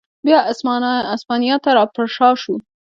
بیا اسپانیا ته را پرشا شو.